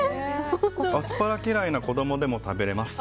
アスパラ嫌いな子供でも食べれます。